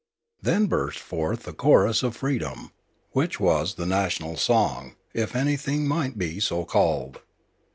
Then burst forth the chorus of freedom, which was the national song, if anything might be so called.